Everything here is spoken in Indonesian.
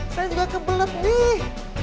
saya juga kebelet nih